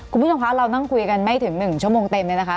คุณพุทธค้าเรานั่งคุยกันไม่ถึง๑ชั่วโมงเต็มเลยนะคะ